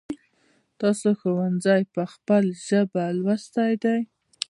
تاسو ښونځی په خپل ژبه لوستی دی ؟